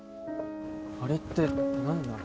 あれって何なの？